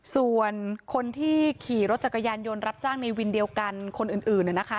ส่วนคนที่ขี่รถจักรยานยนต์รับจ้างในวินเดียวกันคนอื่นนะคะ